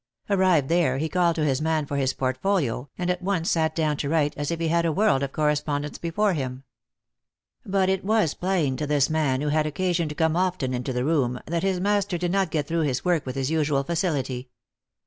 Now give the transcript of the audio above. Arrived there, he called to his man for his portfolio, and at once sat down to write as if he had a world of corres pondence before him. But it was plain to this man, \vho had occasion to come often into the room, that THE ACTRESS IN HIGH LIFE. 307 his master did not get through his work with his usual facility.